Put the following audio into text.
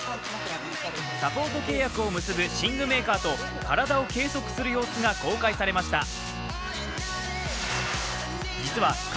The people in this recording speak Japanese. サポート契約を結ぶ寝具メーカーと体を計測する様子が公開されました。